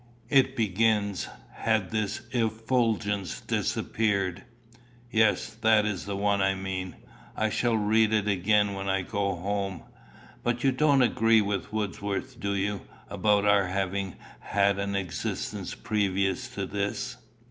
It begins, 'Had this effulgence disappeared.'" "Yes, that is the one I mean. I shall read it again when I go home. But you don't agree with Wordsworth, do you, about our having had an existence previous to this?"